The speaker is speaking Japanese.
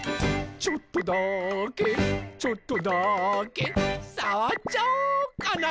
「ちょっとだけちょっとだけさわっちゃおうかな」